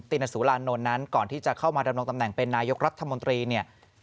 ณสุรานนท์นั้นก่อนที่จะเข้ามาดำรงตำแหน่งเป็นนายกรัฐมนตรีเนี่ย